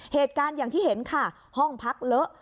เหตุการณ์อย่างที่เห็นค่ะห้องพักเลอะ